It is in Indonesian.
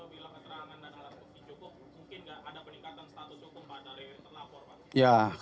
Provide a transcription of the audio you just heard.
mungkin tidak ada peningkatan status hukum pada leher terlapor pak